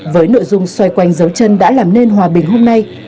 với nội dung xoay quanh dấu chân đã làm nên hòa bình hôm nay